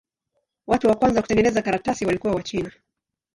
Watu wa kwanza kutengeneza karatasi walikuwa Wachina.